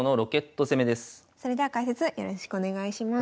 それでは解説よろしくお願いします。